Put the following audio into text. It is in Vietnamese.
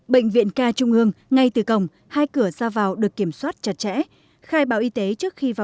bệnh viện ca trung ương ngay từ cổng hai cửa ra vào được kiểm soát chặt chẽ